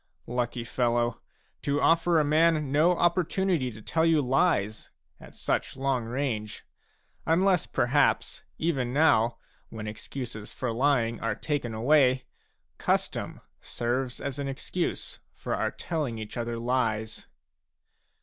Lucky fellow, to offer a man no opportunity to tell you lies at such long range ! Unless perhaps, even now, when excuses for lying are taken away, custom serves as an excuse for our telling each other lies